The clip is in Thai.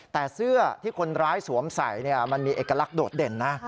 แต่เสื้อที่คนร้ายสวมใส่มันมีเอกลักษณ์โดดเด่นนะ